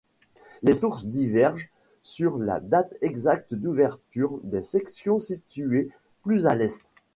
Les sources divergent sur la date exacte d'ouverture des sections situées plus à l'est.